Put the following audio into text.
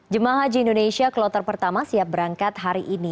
jemaah haji indonesia kloter pertama siap berangkat hari ini